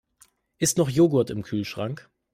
Ist noch Joghurt im Kühlschrank?